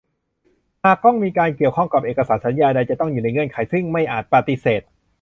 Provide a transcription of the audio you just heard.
หากมีการเกี่ยวข้องกับเอกสารสัญญาใดจะต้องอยู่ในเงื่อนไขซึ่งไม่อาจปฏิเสธ